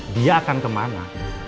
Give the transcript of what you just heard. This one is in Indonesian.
dia akan kemana